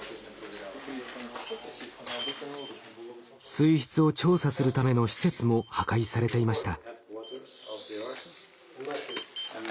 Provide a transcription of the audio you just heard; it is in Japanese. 水質を調査するための施設も破壊されていました。